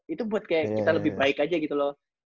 itu buat kayak kita lebih baik aja gitu loh